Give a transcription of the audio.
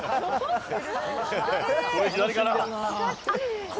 これ、左かな。